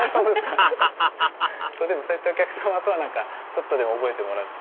アハハハハそうやってお客さまとはちょっとでも覚えてもらって。